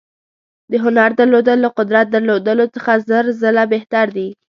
د هنر درلودل له قدرت درلودلو څخه زر ځله بهتر دي.